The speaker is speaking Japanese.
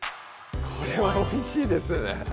これはおいしいですね